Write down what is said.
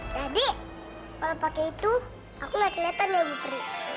jadi kalau pakai itu aku gak kelihatan ya bu pri